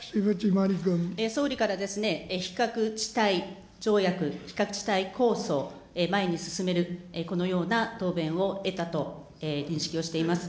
総理からですね、非核地帯条約、非核地帯構想、前に進める、このような答弁を得たと認識をしております。